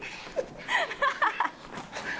ハハハハ！